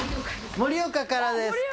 盛岡からですか。